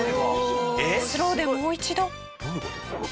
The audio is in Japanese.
スローでもう一度。